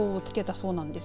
そうなんです。